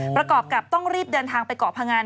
ประกอบกับต้องรีบเดินทางไปเกาะพงัน